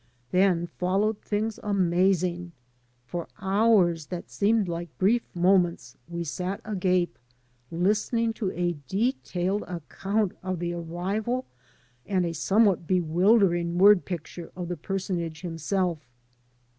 Then followed things amazing. For hours that seemed like brief moments we sat agape, listening to a detailed account of the arrival and a somewhat bewildering word picture of the personage himself.